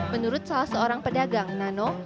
menurut salah seorang pedagang nano